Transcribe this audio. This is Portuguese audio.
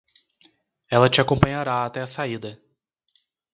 Ela te acompanhará até a saída